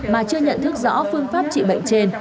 mà chưa nhận thức rõ phương pháp trị bệnh trên